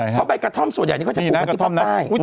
เพราะใบกระท่อมส่วนใหญ่เนี่ยเขาจะอุปกรณ์ที่แป๊บใต้